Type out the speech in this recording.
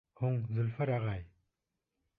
Һуң, Зөлфәр ағай!